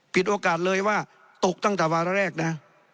ปิดโอกาสเลยว่าตกตั้งแต่วาระแรกนะ